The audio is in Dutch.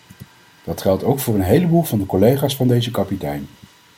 Dat geldt ook voor een heleboel van de collega's van deze kapitein.